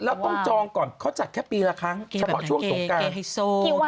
แล้วต้องจองก่อนเขาจัดแค่ปีละครั้งเฉพาะช่วงสการเกย์แบบนั้นเกย์ไฮโซ